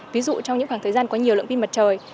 ví dụ trong những khoảng thời gian có nhiều lượng pin mặt trời